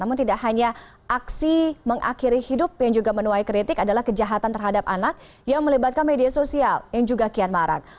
namun tidak hanya aksi mengakhiri hidup yang juga menuai kritik adalah kejahatan terhadap anak yang melibatkan media sosial yang juga kian marak